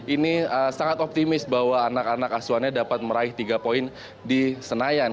ini sangat optimis bahwa anak anak asuhannya dapat meraih tiga poin di senayan